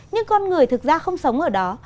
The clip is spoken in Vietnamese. nhưng con người thực ra không sống ở đó